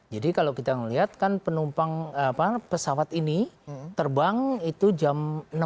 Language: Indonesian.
jadi kalau kita melihat kan penumpang pesawat ini terbang itu jam enam dua puluh